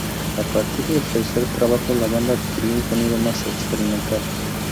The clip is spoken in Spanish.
A partir del tercer trabajo, la banda adquirió un sonido más experimental.